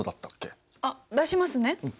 あっ出しますね。